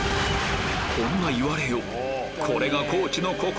こんな言われよう！